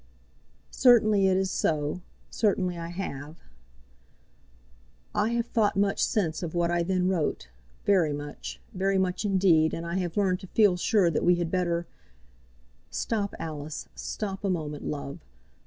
"Certainly it is so. Certainly I have." "I have thought much, since, of what I then wrote, very much, very much, indeed; and I have learned to feel sure that we had better " "Stop, Alice; stop a moment, love.